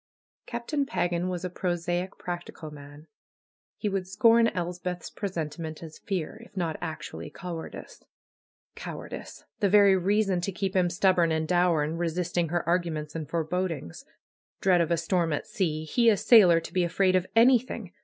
Captain Pagan was a prosaic, practical man. He would scorn Elspeth's presentiment as fear; if not actually cowardice. Cowardice ! The very reason to keep him stubborn and dour in resisting her arguments and forebodings. Dread of a storm at sea ! He, a sailor, to he afraid of anything!